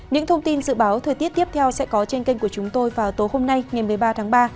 những thông tin dự báo thời tiết tiếp theo sẽ có trên kênh của chúng tôi vào tối hôm nay ngày một mươi ba tháng ba